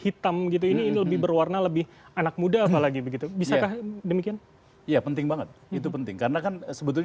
hitam gitu ini lebih berwarna lebih anak muda apalagi begitu bisa demikian ya penting banget